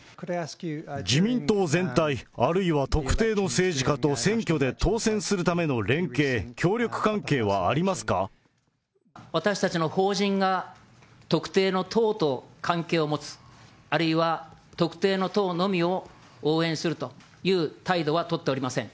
自民党全体、あるいは特定の政治家と選挙で当選するための連携・協力関係はあ私たちの法人が、特定の党と関係を持つ、あるいは特定の党のみを応援するという態度は取っておりません。